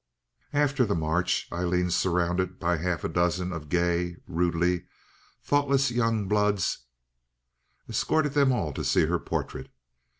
After the march Aileen, surrounded by a half dozen of gay, rudely thoughtless young bloods, escorted them all to see her portrait.